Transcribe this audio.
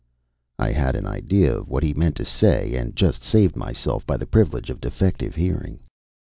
I had an idea of what he meant to say, and just saved myself by the privilege of defective hearing.